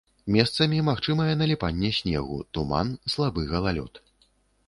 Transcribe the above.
Месцамі магчымае наліпанне снегу, туман, слабы галалёд.